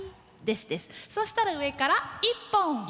そしたら上から１本！